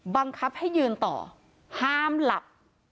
บังคับให้ยืนต่อห้ามหลับ